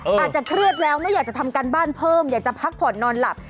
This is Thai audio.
อาจจะเครียดแล้วไม่อยากจะทำการบ้านเพิ่มอยากจะพักผ่อนนอนหลับ